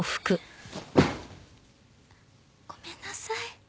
ごめんなさい。